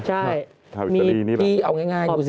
ใช่มีที่เอาง่ายดูสิ